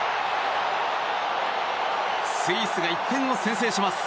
スイスが１点を先制します。